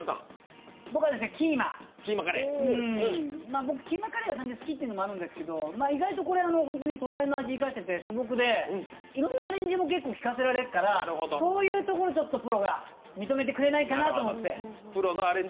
僕はキーマ、キーマカレーが好きというのもあるんですけど意外とこれ、本当に素材の味を生かしていて素朴で、いろんなアレンジも結構利かせられるから、そういうところ、ちょっとプロが認めてくれないかなと思って。